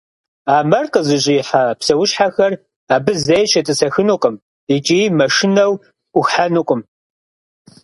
А мэр къызыщӏихьэ псэущхьэхэр абы зэи щетӏысэхынукъым икӏи, мышынэу, ӏухьэнукъым.